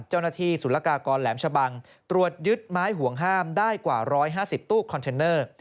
สุรกากรแหลมชะบังตรวจยึดไม้ห่วงห้ามได้กว่า๑๕๐ตู้คอนเทนเนอร์